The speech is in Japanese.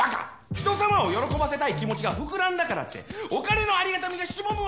人様を喜ばせたい気持ちが膨らんだからってお金のありがたみがしぼむわけないでしょ？